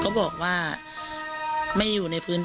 มีความรู้สึกว่า